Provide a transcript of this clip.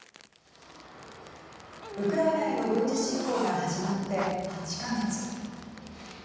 ウクライナへの軍事侵攻が始まって８か月。